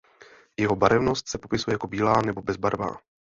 Jeho barevnost se popisuje jako bílá nebo bezbarvá.